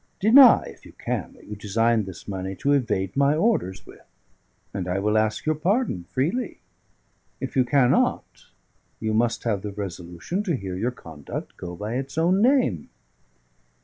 Deny (if you can) that you designed this money to evade my orders with, and I will ask your pardon freely. If you cannot, you must have the resolution to hear your conduct go by its own name."